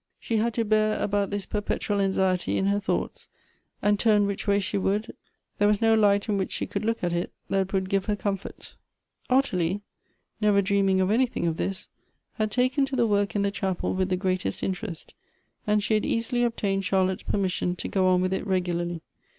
She had to bear about this perpetual anxiety in her thoughts, and turn which way she would, there was no light in which she could look at it that would give her comfort. Ottilie, never dreaming of anything of this, had taken to the work in the chapel with the greatest interest, and she had easily obtained Charlotte's permission to go on with it regularly.